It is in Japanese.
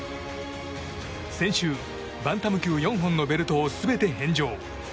先週、バンタム級４本のベルトを全て返上。